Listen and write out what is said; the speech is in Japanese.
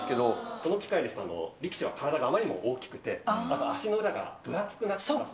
この機械は、力士は体があまりにも大きくて、足の裏が分厚くなっています。